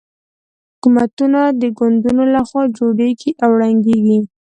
حکومتونه د ګوندونو له خوا جوړېږي او ړنګېږي.